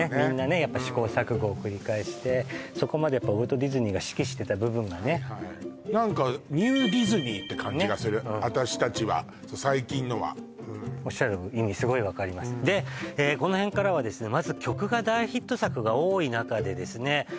みんなやっぱ試行錯誤を繰り返してそこまでウォルト・ディズニーが指揮してた部分がね何かニューディズニーって感じがする私たちは最近のはおっしゃる意味すごい分かりますでこの辺からはまず曲が大ヒット作が多い中でですね